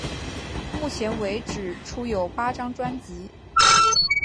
目前为止出有八张专辑。